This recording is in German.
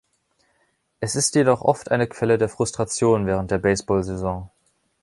Es ist jedoch oft eine Quelle der Frustration während der Baseball-Saison.